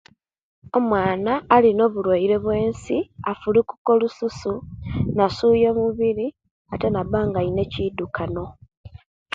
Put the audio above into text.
Omuwana alina obulwaire bwensi afulukuka olususu nasuya omubiri ate naba nga alina ekidukano